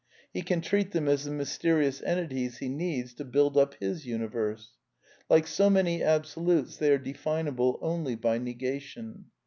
He can treat them as the mysteri ous entities he needs to build up his universe. Like so Vmany absolutes they are definable only by negation.